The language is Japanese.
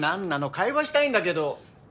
会話したいんだけど。